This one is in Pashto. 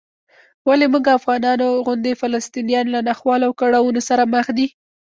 ولې موږ افغانانو غوندې فلسطینیان له ناخوالو او کړاوونو سره مخ دي؟